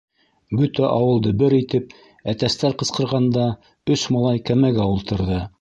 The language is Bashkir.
Бөтә ауылды бер итеп әтәстәр ҡысҡырғанда, өс малай кәмәгә ултырҙы.